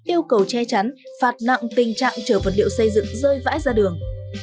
yêu cầu che chắn phạt nặng tình trạng chở vật liệu xây dựng rơi vãi ra đường